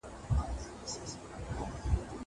اوبه د زهشوم له خوا پاکې کيږي!